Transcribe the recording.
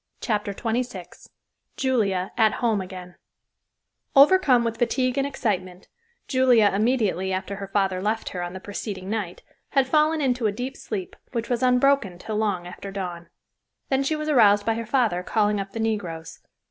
CHAPTER XXVI JULIA AT HOME AGAIN Overcome with fatigue and excitement, Julia immediately after her father left her on the preceding night, had fallen into a deep sleep, which was unbroken till long after dawn. Then she was aroused by her father calling up the negroes.